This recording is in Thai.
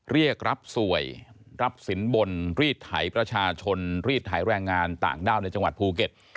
เรียกรับสวยรับสินบนรีดไถประชาชนรีดไถแรงงานต่างด้าวในจังหวัดภูเก็ต